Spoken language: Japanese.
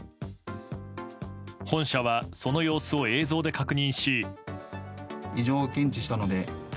本社はその様子を映像で確認し。